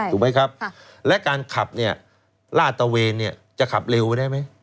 ถูกไหมครับและการขับเนี่ยลาดตะเวนเนี่ยจะขับเร็วได้ไหม